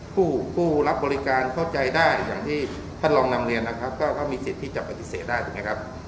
ผู้รับบริการเข้าใจได้อย่างที่ท่านลองนำเรียนนะครับก็มีสิทธิ์ที่จะปฏิเสธได้ถูกไหมครับ